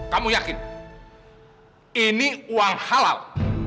kamu yakin ini uang halal